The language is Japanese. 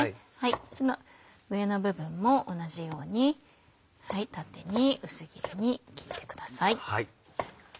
この上の部分も同じように縦に薄切りに切ってください。